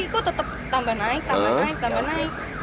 kok tetap tambah naik tambah naik tambah naik